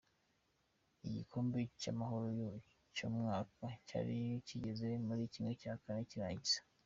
Igikombe cy’Amahoro cy'umwaka cyari kigeze muri kimwe cya kane cy'irangiza.